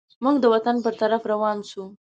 موږ د وطن پر طرف روان سوو.